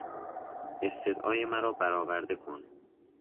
استدعای مرا برآورده کن!